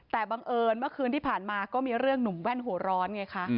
แต่บังเอิญเมื่อคืนที่ผ่านมาก็มีเรื่องหนุ่มแว่นหัวร้อนไงคะ